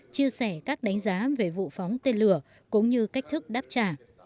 chia sẻ các đánh giá về vụ phóng tên lửa cũng như cách thức đáp trả